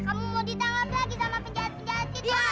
kamu mau ditangkap lagi sama penjahat penjahat itu